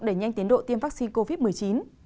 đẩy nhanh tiến độ tiêm vaccine covid một mươi chín